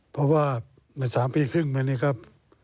เพราะว่าเป็น๓ปีครึ่งมานี้ครับ